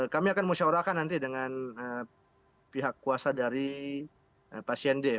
kami akan musyawarahkan nanti dengan pihak kuasa dari pasien d